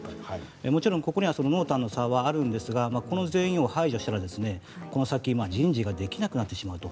もちろんここには濃淡の差はあるんですがこの全員を排除したらこの先、人事ができなくなってしまうと。